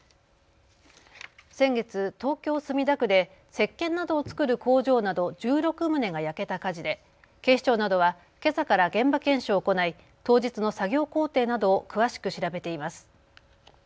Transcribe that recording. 先月、東京墨田区でせっけんなどを作る工場など１６棟が焼けた火事で警視庁などはけさから現場検証を行い、当日の作業工程などを詳しく調べています。